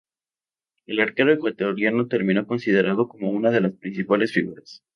El arquero ecuatoriano terminó considerado como una de las principales figuras.